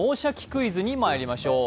クイズ」にまいりましょう。